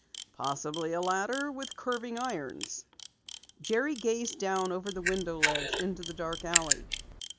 "Possibly a ladder with curving irons." Jerry gazed down over the window ledge into the dark alley.